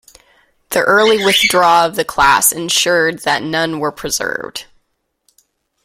The early withdrawal of the class ensured that none were preserved.